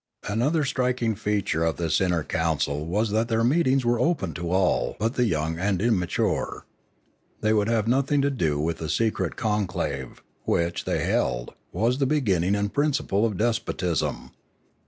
Another striking feature of this inner council was that their meetings were open to all but the young and immature. They would have nothing to do with the secret conclave, which, they held, was the beginning and principle of despotism.